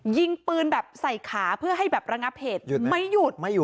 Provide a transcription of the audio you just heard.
ยิงปืนแบบใส่ขาเพื่อให้แบบระงับเหตุหยุดไม่หยุดไม่หยุ